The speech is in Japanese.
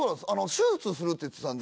手術するって言ってたんで。